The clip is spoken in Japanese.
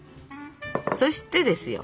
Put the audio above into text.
そしてですよ